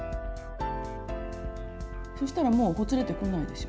そしたらもうほつれてこないでしょ。